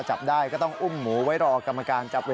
จับได้ก็ต้องอุ้มหมูไว้รอกรรมการจับเลย